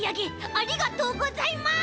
ありがとうございます！